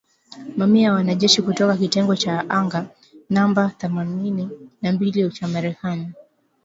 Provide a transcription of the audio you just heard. Mamia ya wanajeshi kutoka kitengo cha anga namba thamanini na mbili cha Marekani.